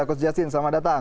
coach jasin selamat datang